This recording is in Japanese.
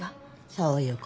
そういうこと。